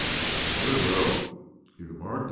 " Very well," he remarked.